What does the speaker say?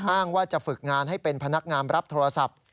อ้างว่าจะฝึกงานให้เป็นพนักงานรับโทรศัพท์